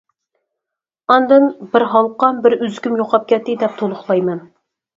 ئاندىن «بىر ھالقام، بىر ئۈزۈكۈم يوقاپ كەتتى» دەپ تولۇقلايمەن.